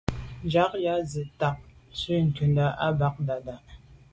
Ŋgá á gə́ jí zǎ tɛ̌n ják ndzwə́ ncúndá â ŋgàbándá.